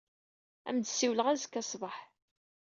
Ad am-d-ssiwleɣ azekka ṣṣbeḥ.